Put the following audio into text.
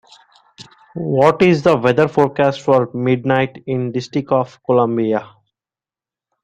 What is the weather forecast for Midnight in District Of Columbia?